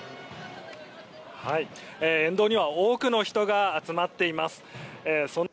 沿道には多くの人が集まっています。